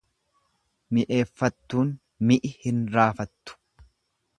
Mi'eeffattuun mi'i hin raafattu.